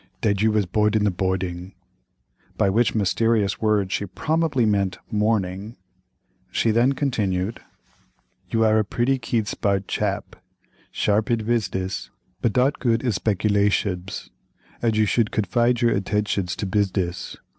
"Thed you was bord id the bording," by which mysterious word she probably meant, "morning." She then continued:— "You are a pretty keed sbart chap—sharp id busidess, but dot good id speculatiods, ad you should codfide your attedtiods to busidess.